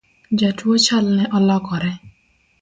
Jatuo chalne olokore